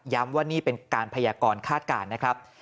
ว่านี่เป็นการพยากรคาดการณ์นะครับ